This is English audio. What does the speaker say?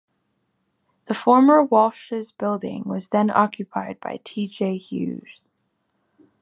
The former Walsh's building was then occupied by T J Hughes.